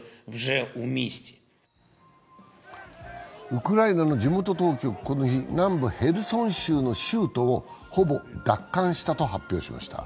ウクライナの地元当局、この日、南部ヘルソン州の州都をほぼ奪還したと発表しました。